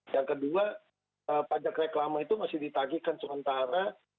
yang kedua pajak reklama itu masih ditagihkan sementara